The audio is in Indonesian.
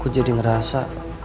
gue jadi ngerasa